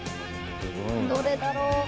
どれだろう？